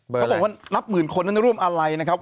บอกว่านับหมื่นคนนั้นร่วมอะไรนะครับ